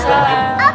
selamat ulang tahun